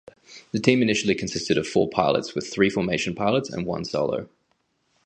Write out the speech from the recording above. The team initially consisted of four pilots, with three formation pilots and one solo.